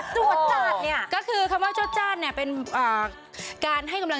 ชาติว่าจะไม่ใช่แชมป์ลิเวอร์ฟูใช่ไหมคะ